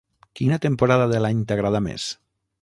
Quina temporada de l'any t'agrada més?